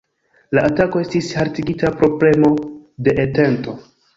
La atako estis haltigita pro premo de Entento.